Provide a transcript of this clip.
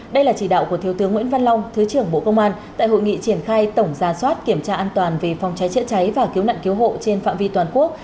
đây là chỉ đạo của thiếu tướng nguyễn văn long thứ trưởng bộ công an tại hội nghị triển khai tổng ra soát kiểm tra an toàn về phòng cháy chữa cháy và cứu nạn cứu hộ trên phạm vi toàn quốc